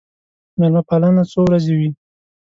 مېلمه پالنه څو ورځې وي.